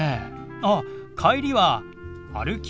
あ帰りは歩き？